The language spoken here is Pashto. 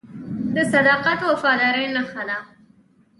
• صداقت د وفادارۍ نښه ده.